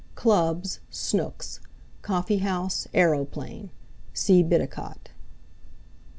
Clubs: Snooks'. Coffee House: Aeroplane. See Bidicott."